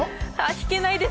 弾けないです。